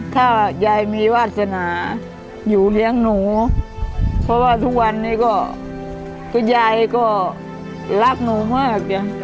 ถ้ายายมีวาสนาอยู่เลี้ยงหนูเพราะว่าทุกวันนี้ก็คือยายก็รักหนูมากจ้ะ